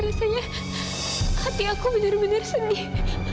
biasanya hati aku benar benar sedih